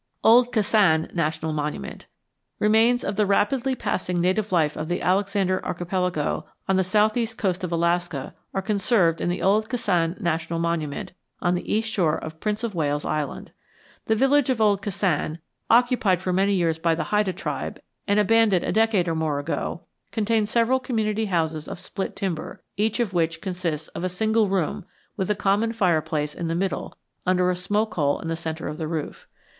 OLD KASAAN NATIONAL MONUMENT Remains of the rapidly passing native life of the Alexander Archipelago on the southeast coast of Alaska are conserved in the Old Kasaan National Monument on the east shore of Prince of Wales Island. The village of Old Kasaan, occupied for many years by the Hydah tribe and abandoned a decade or more ago, contains several community houses of split timber, each of which consists of a single room with a common fireplace in the middle under a smoke hole in the centre of the roof.